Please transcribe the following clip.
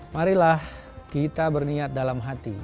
marilah kita berniat dalam hati